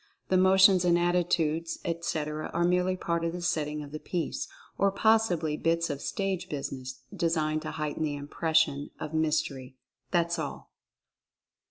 The motions and attitudes, etc., are merely part of the setting of the piece, or possibly bits of "stage business," designed to heighten the impression of mys tery. That's all.